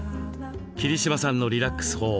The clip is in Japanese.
桐島さんのリラックス法